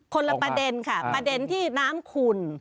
คนละประเด็นค่ะประเด็นที่น้ำขุ่น